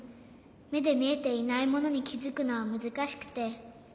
めでみえていないものにきづくのはむずかしくて。